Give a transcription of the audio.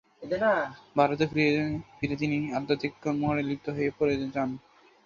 ভারতে ফিরে তিনি আধ্যাত্বিক কর্মকান্ডে লিপ্ত হয়ে পড়েন যার কিছু কয়েক সপ্তাহ অবধি স্থায়ী ছিল।